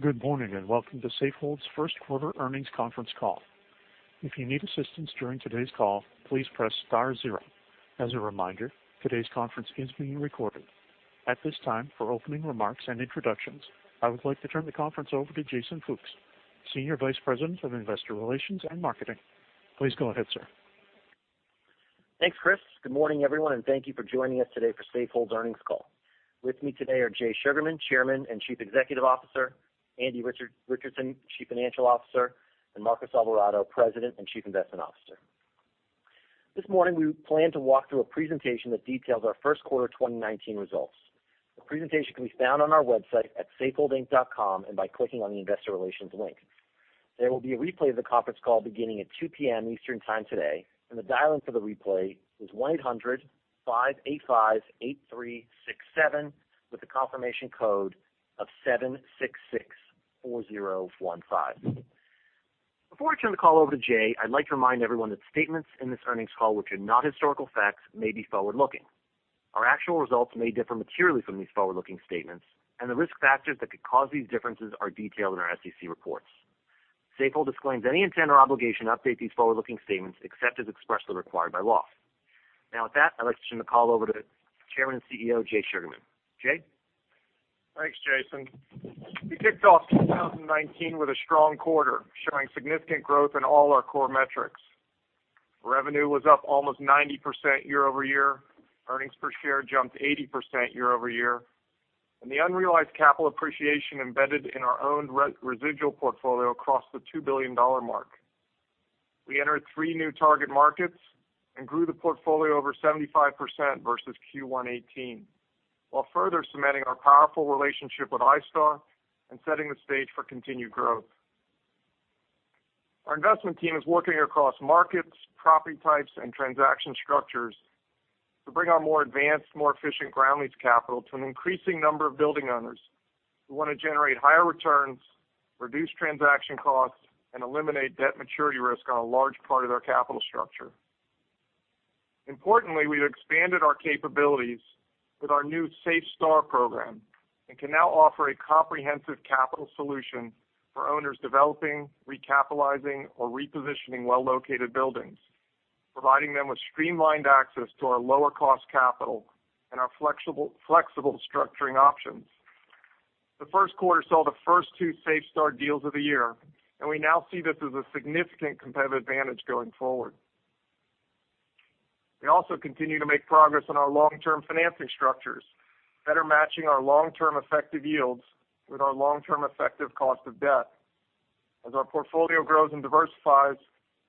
Good morning, and welcome to Safehold's first quarter earnings conference call. If you need assistance during today's call, please press star zero. As a reminder, today's conference is being recorded. At this time, for opening remarks and introductions, I would like to turn the conference over to Jason Fooks, Senior Vice President of Investor Relations and Marketing. Please go ahead, sir. Thanks, Chris. Good morning, everyone, and thank you for joining us today for Safehold's earnings call. With me today are Jay Sugarman, Chairman and Chief Executive Officer, Andrew Richardson, Chief Financial Officer, and Marcos Alvarado, President and Chief Investment Officer. This morning, we plan to walk through a presentation that details our first quarter 2019 results. The presentation can be found on our website at safeholdinc.com and by clicking on the investor relations link. There will be a replay of the conference call beginning at 2:00 P.M. Eastern time today, and the dial-in for the replay is 1-800-585-8367 with a confirmation code of 7664015. Before I turn the call over to Jay, I'd like to remind everyone that statements in this earnings call which are not historical facts may be forward-looking. Our actual results may differ materially from these forward-looking statements. The risk factors that could cause these differences are detailed in our SEC reports. Safehold disclaims any intent or obligation to update these forward-looking statements except as expressly required by law. Now with that, I'd like to turn the call over to Chairman and CEO, Jay Sugarman. Jay? Thanks, Jason. We kicked off 2019 with a strong quarter, showing significant growth in all our core metrics. Revenue was up almost 90% year-over-year. Earnings per share jumped 80% year-over-year. The unrealized capital appreciation embedded in our owned residual portfolio crossed the $2 billion mark. We entered three new target markets and grew the portfolio over 75% versus Q118, while further cementing our powerful relationship with iStar and setting the stage for continued growth. Our investment team is working across markets, property types, and transaction structures to bring our more advanced, more efficient ground lease capital to an increasing number of building owners who want to generate higher returns, reduce transaction costs, and eliminate debt maturity risk on a large part of their capital structure. Importantly, we've expanded our capabilities with our new SafeStar program and can now offer a comprehensive capital solution for owners developing, recapitalizing, or repositioning well-located buildings, providing them with streamlined access to our lower-cost capital and our flexible structuring options. The first quarter saw the first two SafeStar deals of the year. We now see this as a significant competitive advantage going forward. We also continue to make progress on our long-term financing structures, better matching our long-term effective yields with our long-term effective cost of debt. As our portfolio grows and diversifies,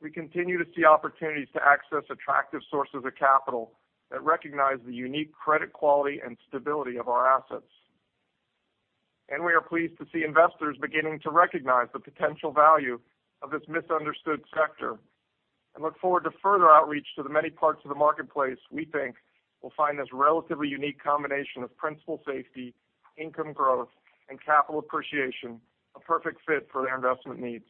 we continue to see opportunities to access attractive sources of capital that recognize the unique credit quality and stability of our assets. We are pleased to see investors beginning to recognize the potential value of this misunderstood sector and look forward to further outreach to the many parts of the marketplace we think will find this relatively unique combination of principal safety, income growth, and capital appreciation a perfect fit for their investment needs.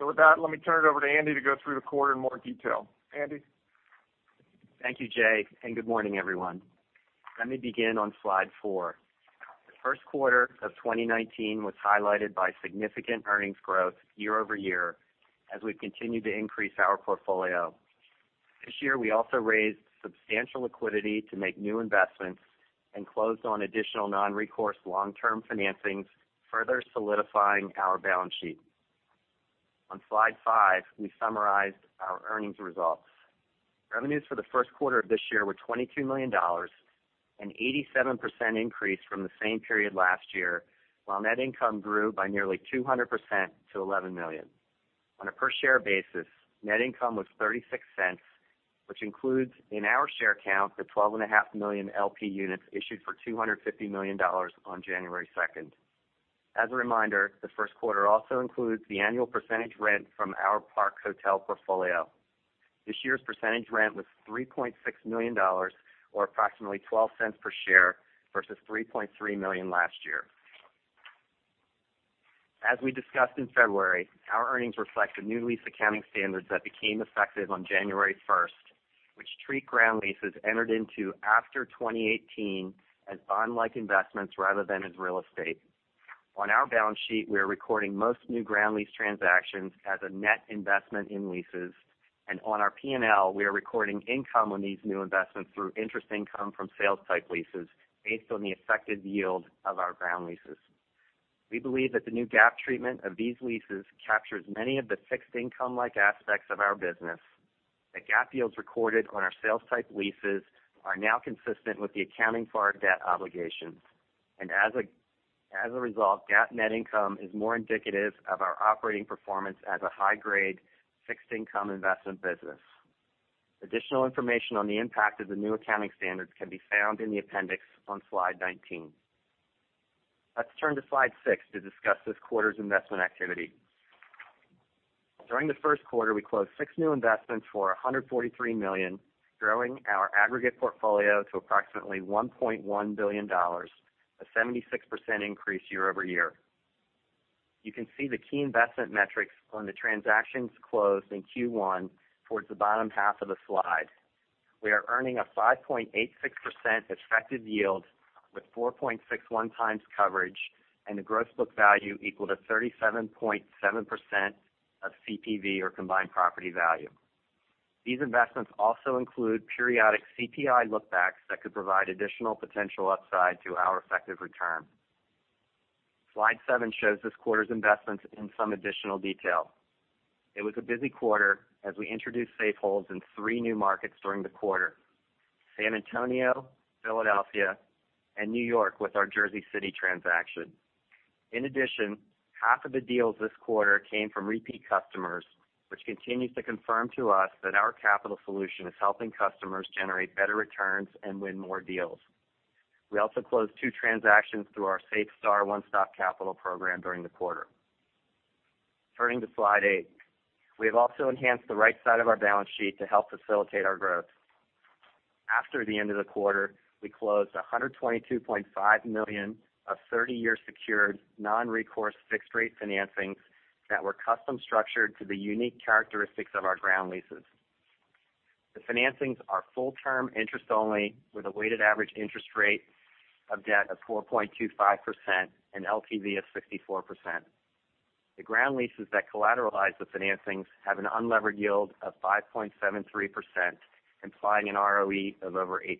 With that, let me turn it over to Andy to go through the quarter in more detail. Andy? Thank you, Jay, and good morning, everyone. Let me begin on slide four. The first quarter of 2019 was highlighted by significant earnings growth year-over-year as we continued to increase our portfolio. This year, we also raised substantial liquidity to make new investments and closed on additional non-recourse long-term financings, further solidifying our balance sheet. On slide five, we summarized our earnings results. Revenues for the first quarter of this year were $22 million, an 87% increase from the same period last year, while net income grew by nearly 200% to $11 million. On a per-share basis, net income was $0.36, which includes in our share count the 12.5 million LP units issued for $250 million on January 2nd. As a reminder, the first quarter also includes the annual percentage rent from our Park Hotel portfolio. This year's percentage rent was $3.6 million, or approximately $0.12 per share, versus $3.3 million last year. As we discussed in February, our earnings reflect the new lease accounting standards that became effective on January 1st, which treat ground leases entered into after 2018 as bond-like investments rather than as real estate. On our balance sheet, we are recording most new ground lease transactions as a net investment in leases, and on our P&L, we are recording income on these new investments through interest income from sales-type leases based on the effective yield of our ground leases. We believe that the new GAAP treatment of these leases captures many of the fixed income-like aspects of our business. The GAAP yields recorded on our sales-type leases are now consistent with the accounting for our debt obligations. As a result, GAAP net income is more indicative of our operating performance as a high-grade fixed income investment business. Additional information on the impact of the new accounting standards can be found in the appendix on slide nineteen. Let's turn to slide six to discuss this quarter's investment activity. During the first quarter, we closed six new investments for $143 million, growing our aggregate portfolio to approximately $1.1 billion, a 76% increase year-over-year. You can see the key investment metrics on the transactions closed in Q1 towards the bottom half of the slide. We are earning a 5.86% effective yield with 4.61 times coverage and a gross book value equal to 37.7% of CPV or combined property value. These investments also include periodic CPI look backs that could provide additional potential upside to our effective return. Slide seven shows this quarter's investments in some additional detail. It was a busy quarter as we introduced Safehold in three new markets during the quarter: San Antonio, Philadelphia, and New York with our Jersey City transaction. In addition, half of the deals this quarter came from repeat customers, which continues to confirm to us that our capital solution is helping customers generate better returns and win more deals. We also closed two transactions through our SafeStar One Stop Capital program during the quarter. Turning to slide eight. We have also enhanced the right side of our balance sheet to help facilitate our growth. After the end of the quarter, we closed $122.5 million of 30-year secured non-recourse fixed-rate financings that were custom structured to the unique characteristics of our ground leases. The financings are full-term interest only with a weighted average interest rate of debt of 4.25% and LTV of 64%. The ground leases that collateralize the financings have an unlevered yield of 5.73%, implying an ROE of over 8%.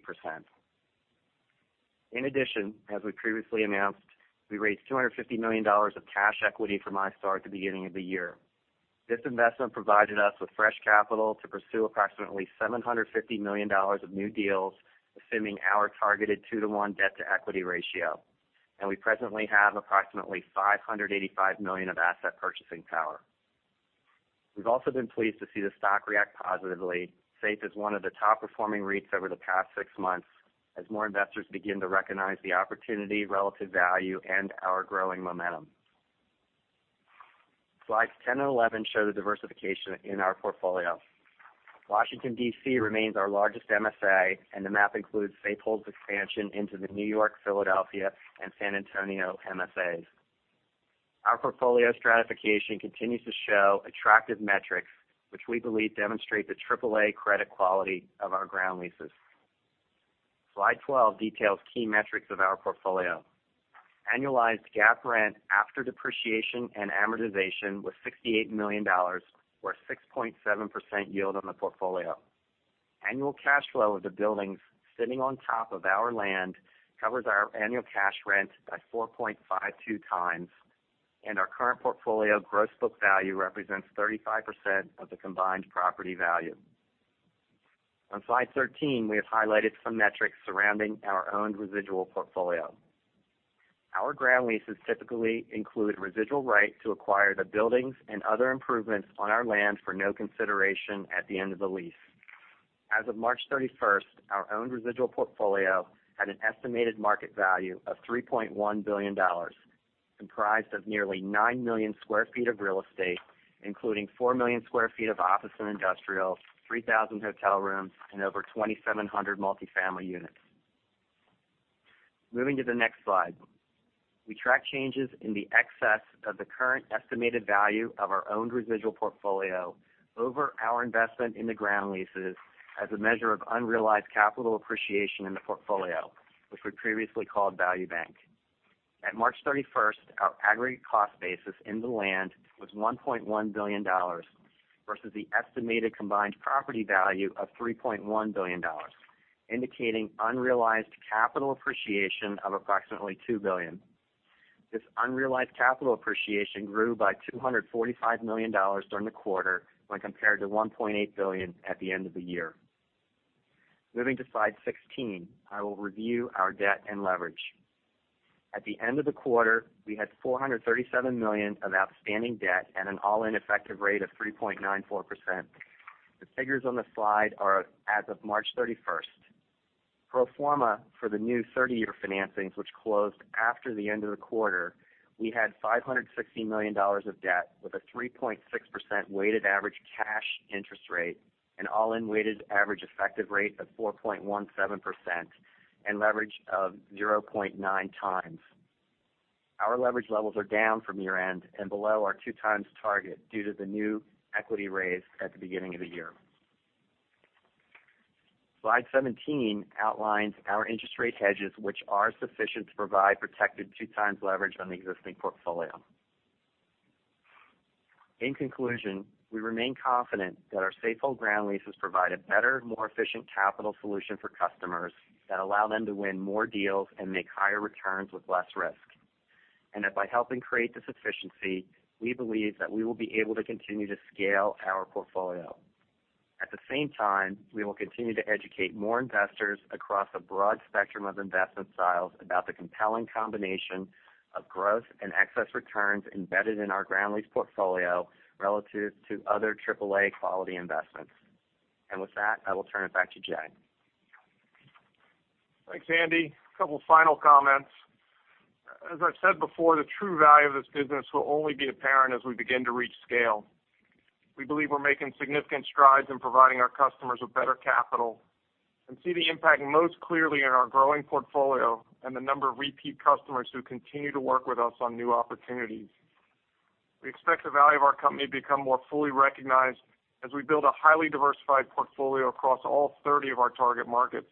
In addition, as we previously announced, we raised $250 million of cash equity from iStar at the beginning of the year. This investment provided us with fresh capital to pursue approximately $750 million of new deals, assuming our targeted 2:1 debt-to-equity ratio. We presently have approximately $585 million of asset purchasing power. We've also been pleased to see the stock react positively. SAFE is one of the top performing REITs over the past six months, as more investors begin to recognize the opportunity, relative value, and our growing momentum. Slides 10 and 11 show the diversification in our portfolio. Washington, D.C. remains our largest MSA. The map includes Safehold's expansion into the New York, Philadelphia, and San Antonio MSAs. Our portfolio stratification continues to show attractive metrics, which we believe demonstrate the AAA credit quality of our ground leases. Slide 12 details key metrics of our portfolio. Annualized GAAP rent after depreciation and amortization was $68 million, or 6.7% yield on the portfolio. Annual cash flow of the buildings sitting on top of our land covers our annual cash rent by 4.52 times. Our current portfolio gross book value represents 35% of the combined property value. On slide 13, we have highlighted some metrics surrounding our owned residual portfolio. Our ground leases typically include residual right to acquire the buildings and other improvements on our land for no consideration at the end of the lease. As of March 31st, our owned residual portfolio had an estimated market value of $3.1 billion, comprised of nearly 9 million square feet of real estate, including 4 million square feet of office and industrial, 3,000 hotel rooms, and over 2,700 multi-family units. Moving to the next slide. We track changes in the excess of the current estimated value of our owned residual portfolio over our investment in the ground leases as a measure of unrealized capital appreciation in the portfolio, which we previously called value bank. At March 31st, our aggregate cost basis in the land was $1.1 billion versus the estimated combined property value of $3.1 billion, indicating unrealized capital appreciation of approximately $2 billion. This unrealized capital appreciation grew by $245 million during the quarter when compared to $1.8 billion at the end of the year. Moving to slide 16, I will review our debt and leverage. At the end of the quarter, we had $437 million of outstanding debt at an all-in effective rate of 3.94%. The figures on the slide are as of March 31st. Pro forma for the new 30-year financings, which closed after the end of the quarter, we had $560 million of debt with a 3.6% weighted average cash interest rate, an all-in weighted average effective rate of 4.17%, and leverage of 0.9 times. Our leverage levels are down from year-end and below our two times target due to the new equity raise at the beginning of the year. Slide 17 outlines our interest rate hedges, which are sufficient to provide protected two times leverage on the existing portfolio. In conclusion, we remain confident that our Safehold ground leases provide a better, more efficient capital solution for customers that allow them to win more deals and make higher returns with less risk. That by helping create this efficiency, we believe that we will be able to continue to scale our portfolio. At the same time, we will continue to educate more investors across a broad spectrum of investment styles about the compelling combination of growth and excess returns embedded in our ground lease portfolio relative to other AAA quality investments. With that, I will turn it back to Jay. Thanks, Andy. A couple of final comments. As I've said before, the true value of this business will only be apparent as we begin to reach scale. We believe we're making significant strides in providing our customers with better capital and see the impact most clearly in our growing portfolio and the number of repeat customers who continue to work with us on new opportunities. We expect the value of our company to become more fully recognized as we build a highly diversified portfolio across all 30 of our target markets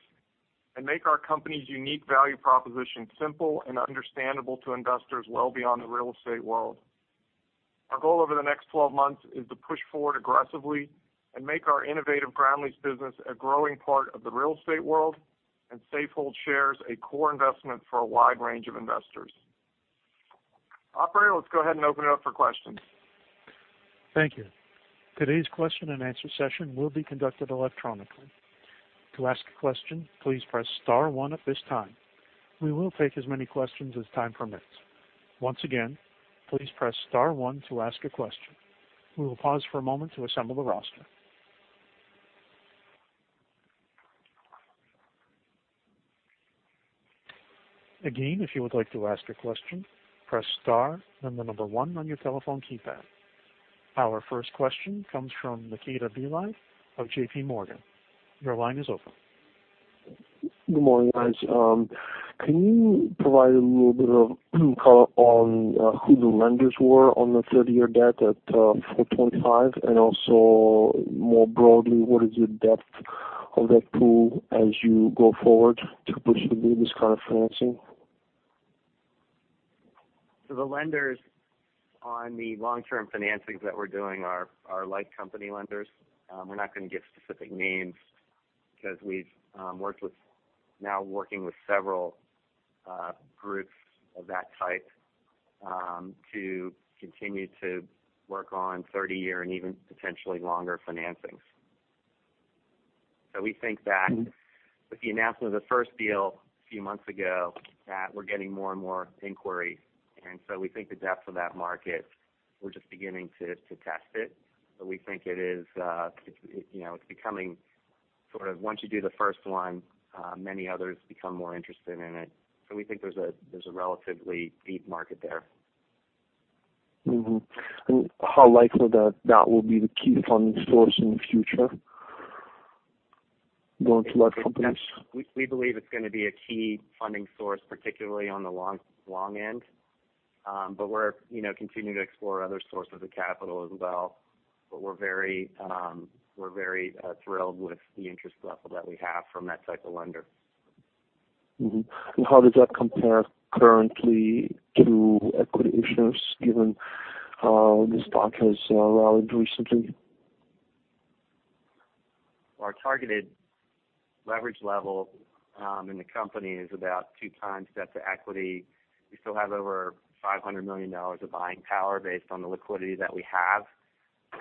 and make our company's unique value proposition simple and understandable to investors well beyond the real estate world. Our goal over the next 12 months is to push forward aggressively and make our innovative ground leases business a growing part of the real estate world, and Safehold shares a core investment for a wide range of investors. Operator, let's go ahead and open it up for questions. Thank you. Today's question-and-answer session will be conducted electronically. To ask a question, please press star one at this time. We will take as many questions as time permits. Once again, please press star one to ask a question. We will pause for a moment to assemble the roster. Again, if you would like to ask a question, press star, then the number one on your telephone keypad. Our first question comes from Nikita Bely of JPMorgan. Your line is open. Good morning, guys. Can you provide a little bit of color on who the lenders were on the third-year debt at 4.25%, also more broadly, what is your depth of that pool as you go forward to push to do this kind of financing? The lenders on the long-term financings that we're doing are life company lenders. We're not going to give specific names because we've now working with several groups of that type to continue to work on 30 year and even potentially longer financings. We think that with the announcement of the first deal a few months ago, that we're getting more and more inquiry. We think the depth of that market, we're just beginning to test it. We think it's becoming sort of, once you do the first one, many others become more interested in it. We think there's a relatively deep market there. Mm-hmm. How likely that that will be the key funding source in the future going to life companies? We believe it's going to be a key funding source, particularly on the long end. We're continuing to explore other sources of capital as well. We're very thrilled with the interest level that we have from that type of lender. Mm-hmm. How does that compare currently to equity issuers, given how the stock has rallied recently? Our targeted leverage level in the company is about two times debt to equity. We still have over $500 million of buying power based on the liquidity that we have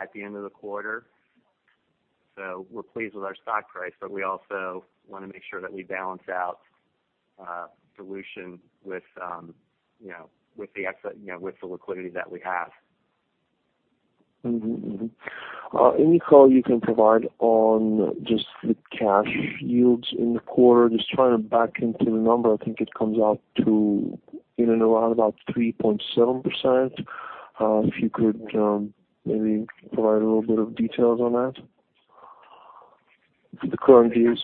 at the end of the quarter. We're pleased with our stock price, but we also want to make sure that we balance out dilution with the liquidity that we have. Mm-hmm. Any color you can provide on just the cash yields in the quarter? Just trying to back into the number, I think it comes out to in and around about 3.7%. If you could maybe provide a little bit of details on that for the current year.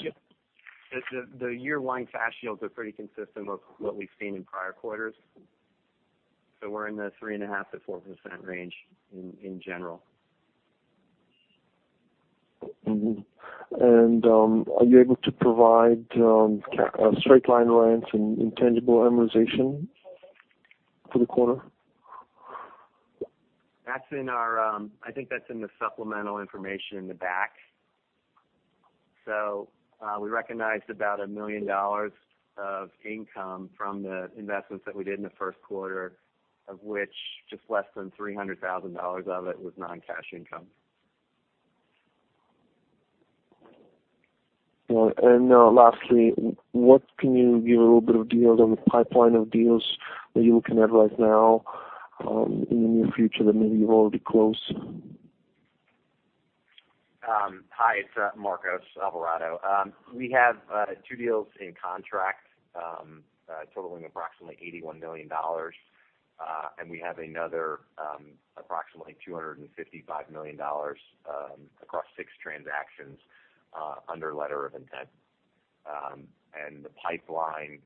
The year-wide cash yields are pretty consistent with what we've seen in prior quarters. We're in the 3.5%-4% range in general. Mm-hmm. Are you able to provide straight line rents and intangible amortization for the quarter? I think that's in the supplemental information in the back. We recognized about $1 million of income from the investments that we did in the first quarter, of which just less than $300,000 of it was non-cash income. Lastly, what can you give a little bit of detail on the pipeline of deals that you are looking at right now in the near future that maybe you have already closed? Hi, it's Marcos Alvarado. We have two deals in contract totaling approximately $81 million. We have another approximately $255 million across six transactions under letter of intent. The pipeline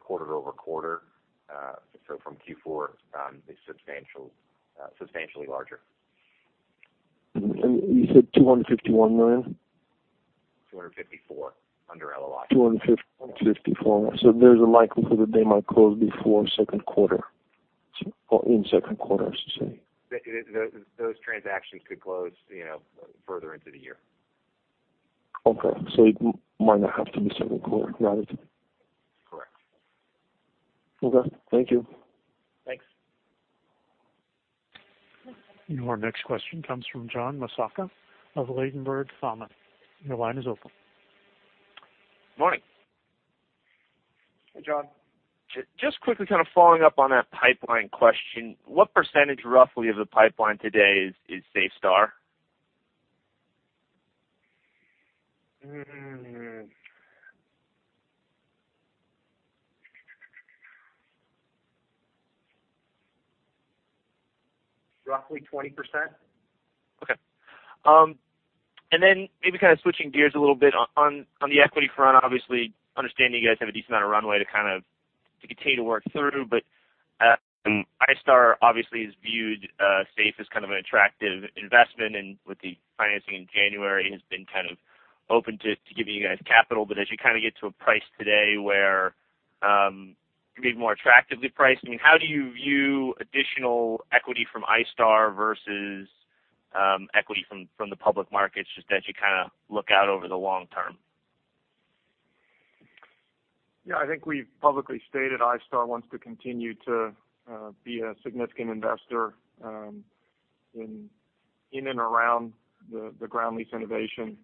quarter-over-quarter, so from Q4, is substantially larger. You said $251 million? $254 under LOI. 254. There's a likelihood that they might close before second quarter, or in second quarter, I should say. Those transactions could close further into the year. Okay. It might not have to be second quarter, got it. Correct. Okay. Thank you. Thanks. Our next question comes from John Massocca of Ladenburg Thalmann. Your line is open. Morning. Hey, John. Just quickly kind of following up on that pipeline question, what percentage roughly of the pipeline today is SafeStar? Roughly 20%. Maybe kind of switching gears a little bit on the equity front, obviously understanding you guys have a decent amount of runway to continue to work through. iStar obviously has viewed SAFE as kind of an attractive investment and with the financing in January, has been kind of open to giving you guys capital. As you kind of get to a price today where, to be more attractively priced, I mean, how do you view additional equity from iStar versus equity from the public markets, just as you kind of look out over the long term? I think we've publicly stated iStar wants to continue to be a significant investor in and around the ground lease innovation.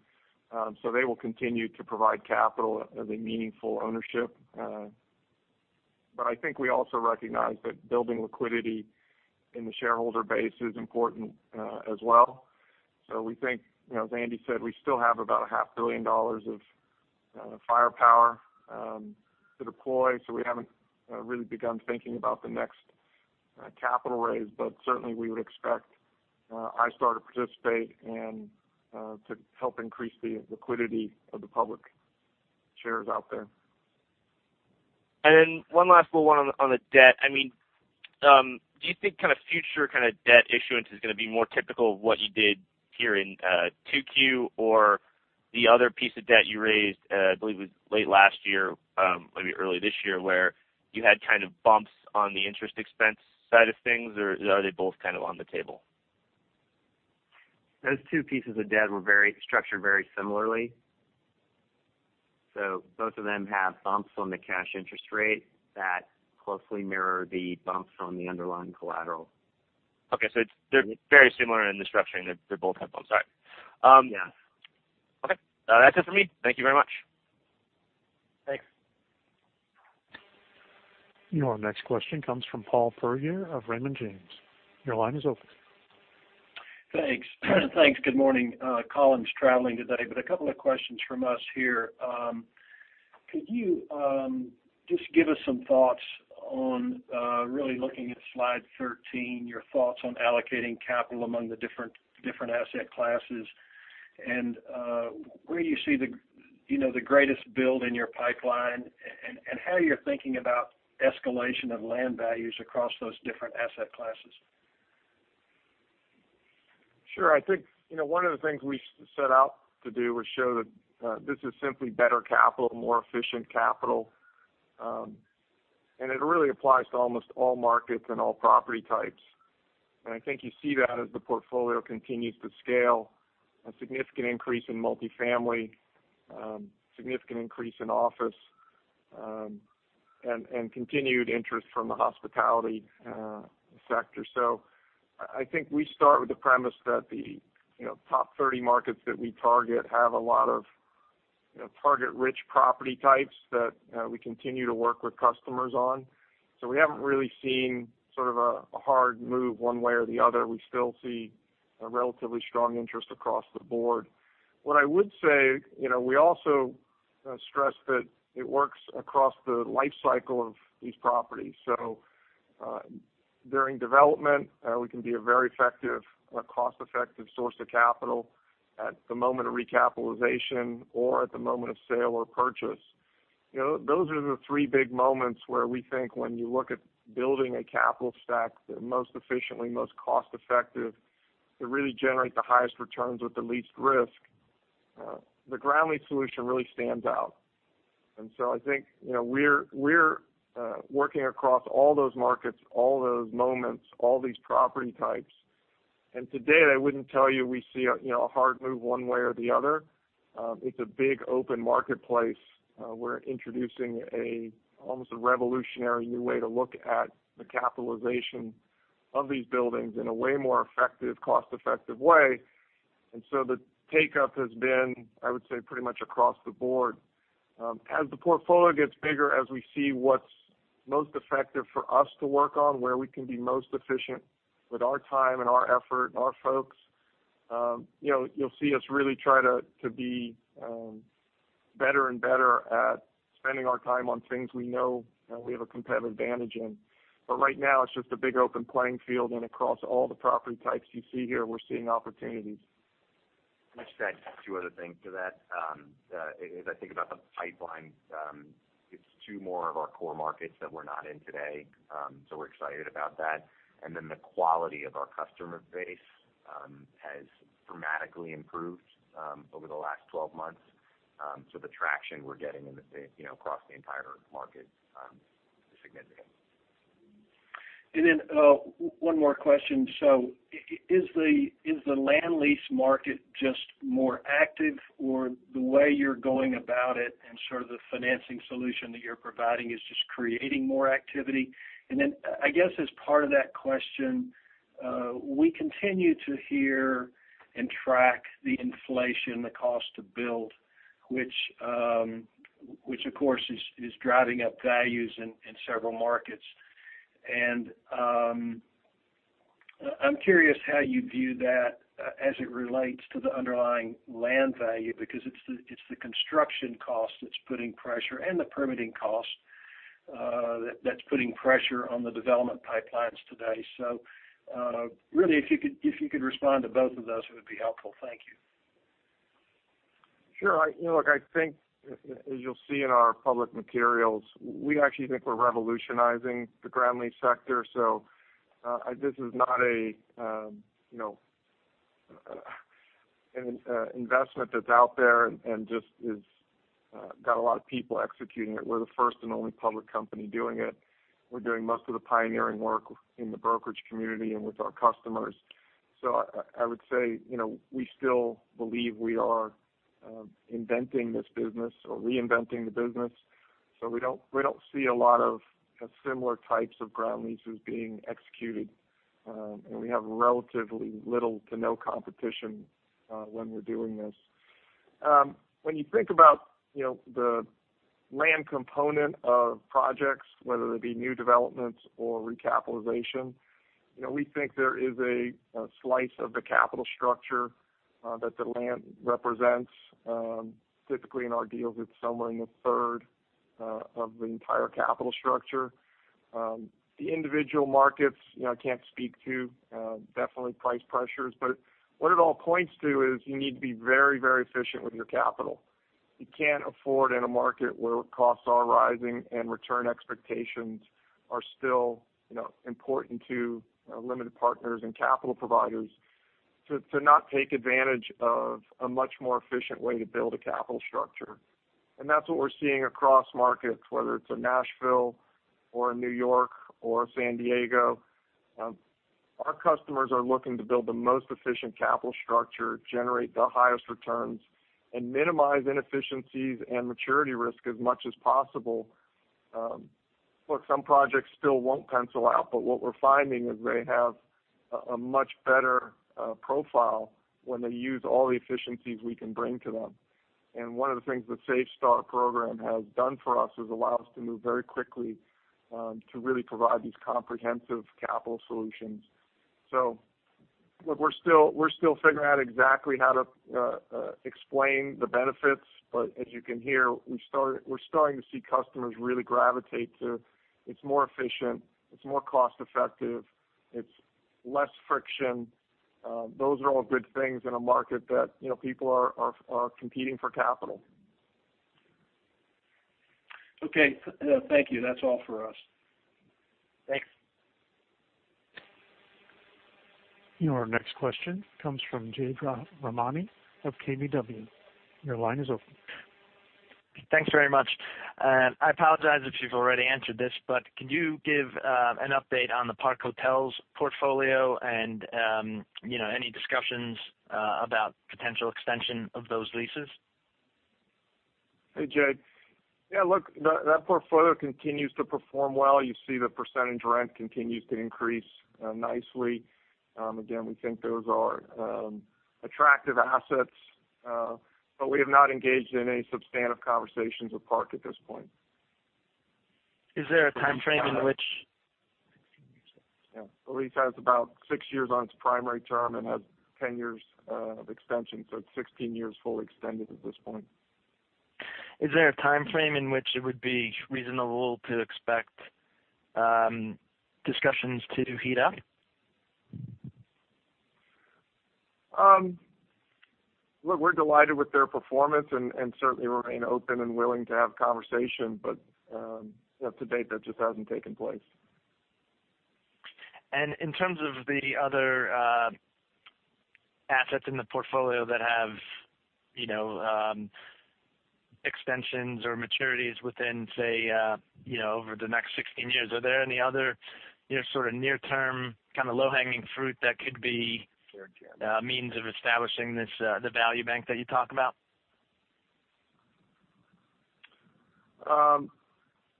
They will continue to provide capital as a meaningful ownership. I think we also recognize that building liquidity in the shareholder base is important as well. We think, as Andy said, we still have about a half billion dollars of firepower to deploy. We haven't really begun thinking about the next capital raise. Certainly, we would expect iStar to participate and to help increase the liquidity of the public shares out there. One last little one on the debt. Do you think kind of future kind of debt issuance is going to be more typical of what you did here in 2Q or the other piece of debt you raised, I believe it was late last year, maybe early this year, where you had kind of bumps on the interest expense side of things, or are they both kind of on the table? Those two pieces of debt were structured very similarly. Both of them have bumps on the cash interest rate that closely mirror the bumps on the underlying collateral. Okay. They're very similar in the structuring. They both They're very similar in the structuring. T. All right. Yeah. Okay. That's it for me. Thank you very much. Thanks. Your next question comes from Paul Puryear of Raymond James. Your line is open. Thanks. Good morning. Colin's traveling today, a couple of questions from us here. Could you just give us some thoughts on really looking at slide 13, your thoughts on allocating capital among the different asset classes, and where do you see the greatest build in your pipeline, and how you're thinking about escalation of land values across those different asset classes? Sure. I think one of the things we set out to do was show that this is simply better capital, more efficient capital. It really applies to almost all markets and all property types. I think you see that as the portfolio continues to scale, a significant increase in multi-family, significant increase in office, and continued interest from the hospitality sector. I think we start with the premise that the top 30 markets that we target have a lot of target-rich property types that we continue to work with customers on. We haven't really seen sort of a hard move one way or the other. We still see a relatively strong interest across the board. What I would say, we also stress that it works across the life cycle of these properties. During development, we can be a very effective, cost-effective source of capital at the moment of recapitalization or at the moment of sale or purchase. Those are the three big moments where we think when you look at building a capital stack, the most efficiently, most cost-effective, to really generate the highest returns with the least risk, the ground lease solution really stands out. I think we're working across all those markets, all those moments, all these property types. To date, I wouldn't tell you we see a hard move one way or the other. It's a big open marketplace. We're introducing almost a revolutionary new way to look at the capitalization of these buildings in a way more effective, cost-effective way. The take-up has been, I would say, pretty much across the board. As the portfolio gets bigger, as we see what's most effective for us to work on, where we can be most efficient with our time and our effort and our folks, you'll see us really try to be better and better at spending our time on things we know we have a competitive advantage in. Right now, it's just a big open playing field, and across all the property types you see here, we're seeing opportunities. Can I just add two other things to that? As I think about the pipeline, it's two more of our core markets that we're not in today. We're excited about that. The quality of our customer base has dramatically improved over the last 12 months. The traction we're getting across the entire market is significant. One more question. Is the land lease market just more active, or the way you're going about it and sort of the financing solution that you're providing is just creating more activity? I guess as part of that question, we continue to hear and track the inflation, the cost to build, which of course is driving up values in several markets. I'm curious how you view that as it relates to the underlying land value, because it's the construction cost that's putting pressure and the permitting cost that's putting pressure on the development pipelines today. Really, if you could respond to both of those, it would be helpful. Thank you. Sure. Look, I think as you'll see in our public materials, we actually think we're revolutionizing the ground lease sector. This is not an investment that's out there and just got a lot of people executing it. We're the first and only public company doing it. We're doing most of the pioneering work in the brokerage community and with our customers. I would say, we still believe we are inventing this business or reinventing the business. We don't see a lot of similar types of ground leases being executed. We have relatively little to no competition when we're doing this. When you think about the land component of projects, whether it be new developments or recapitalization, we think there is a slice of the capital structure that the land represents. Typically, in our deals, it's somewhere in the third of the entire capital structure. The individual markets, I can't speak to. Definitely price pressures, but what it all points to is you need to be very efficient with your capital. You can't afford in a market where costs are rising and return expectations are still important to limited partners and capital providers to not take advantage of a much more efficient way to build a capital structure. That's what we're seeing across markets, whether it's in Nashville or New York or San Diego. Our customers are looking to build the most efficient capital structure, generate the highest returns, and minimize inefficiencies and maturity risk as much as possible. Look, some projects still won't pencil out, but what we're finding is they have a much better profile when they use all the efficiencies we can bring to them. One of the things the Safehold program has done for us is allow us to move very quickly to really provide these comprehensive capital solutions. We're still figuring out exactly how to explain the benefits. As you can hear, we're starting to see customers really gravitate to it. It's more efficient, it's more cost-effective, it's less friction. Those are all good things in a market that people are competing for capital. Okay. Thank you. That's all for us. Thanks. Your next question comes from Jay Rahmani of KBW. Your line is open. Thanks very much. I apologize if you've already answered this, but could you give an update on the Park Hotels portfolio and any discussions about potential extension of those leases? Hey, Jay. Yeah, look, that portfolio continues to perform well. You see the percentage rent continues to increase nicely. Again, we think those are attractive assets. We have not engaged in any substantive conversations with Park at this point. Is there a timeframe in which Yeah. The lease has about six years on its primary term and has 10 years of extension. It's 16 years full extended at this point. Is there a timeframe in which it would be reasonable to expect discussions to heat up? Look, we're delighted with their performance and certainly remain open and willing to have conversation. To date, that just hasn't taken place. In terms of the other assets in the portfolio that have extensions or maturities within, say, over the next 16 years, are there any other sort of near-term, kind of low-hanging fruit that could be a means of establishing the value bank that you talk about?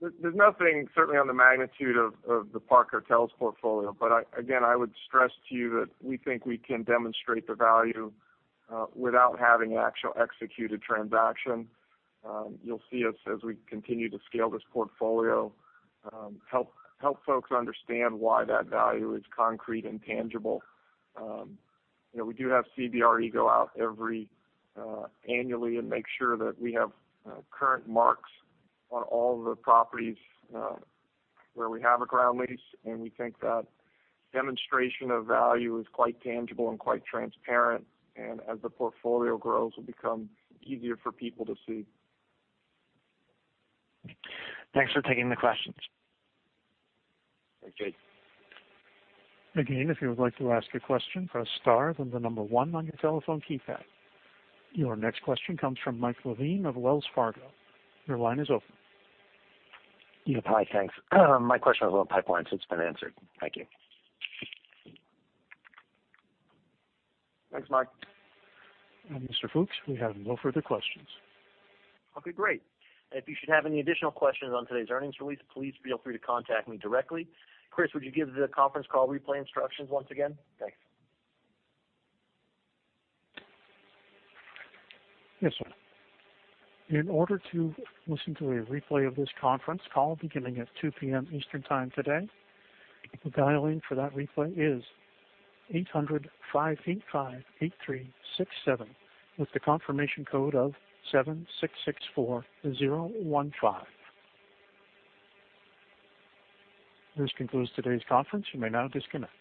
There's nothing certainly on the magnitude of the Park Hotels portfolio. Again, I would stress to you that we think we can demonstrate the value without having actual executed transaction. You'll see us as we continue to scale this portfolio, help folks understand why that value is concrete and tangible. We do have CBRE go out every annually and make sure that we have current marks on all the properties where we have a ground lease, and we think that demonstration of value is quite tangible and quite transparent, and as the portfolio grows, it will become easier for people to see. Thanks for taking the questions. Thanks, Jay. Again, if you would like to ask a question, press star then the number 1 on your telephone keypad. Your next question comes from Michael Nagin of Wells Fargo. Your line is open. Yeah. Hi. Thanks. My question was on pipelines. It's been answered. Thank you. Thanks, Mike. Mr. Fooks, we have no further questions. Okay, great. If you should have any additional questions on today's earnings release, please feel free to contact me directly. Chris, would you give the conference call replay instructions once again? Thanks. Yes, sir. In order to listen to a replay of this conference call beginning at 2:00 P.M. Eastern Time today, the dial-in for that replay is 800-585-8367 with the confirmation code of 7664015. This concludes today's conference. You may now disconnect.